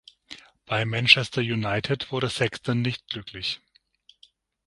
Bei Manchester United wurde Sexton nicht glücklich.